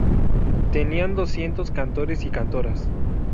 tenían doscientos cantores y cantoras.